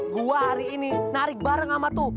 gua hari ini narik bareng sama tuh